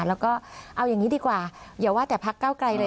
เราก็เอายังงี้ดีกว่าเดี๋ยวว่าแต่แถวพักก้าวไกลเลย